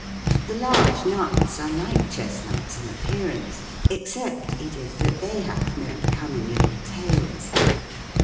The large nuts are like chestnuts in appearance. Except, Edith, that they have no 'cunning little tails.'